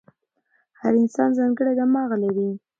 هر انسان ځانګړی دماغ لري.